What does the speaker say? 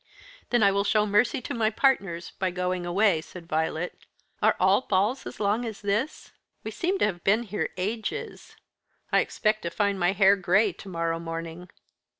"Then I will show mercy to my partners by going away," said Violet. "Are all balls as long as this? We seem to have been here ages; I expect to find my hair gray to morrow morning."